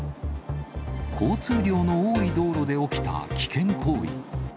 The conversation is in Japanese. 交通量の多い道路で起きた危険行為。